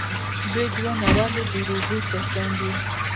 بید ونه ولې د اوبو تر څنګ وي؟